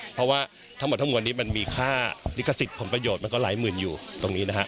เพราะว่าทั้งหมดทั้งมวลนี้มันมีค่าลิขสิทธิผลประโยชน์มันก็หลายหมื่นอยู่ตรงนี้นะฮะ